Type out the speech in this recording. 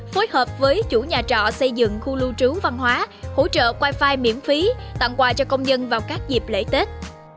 phối hợp với chủ nhà trọ xây dựng khu lưu trú văn hóa hỗ trợ wifi miễn phí tặng quà cho công nhân vào các dịp lễ tết